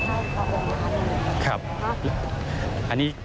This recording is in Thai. เหนื่อยอย่างกว่าหนาวอีก